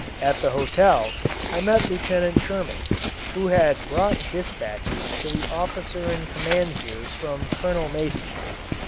At the hotel, I met Lieutenant Sherman, who had brought dispatches to the officer in command here from Colonel Mason.